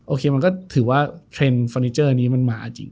มันก็ถือว่าเทรนด์เฟอร์นิเจอร์นี้มันมาจริง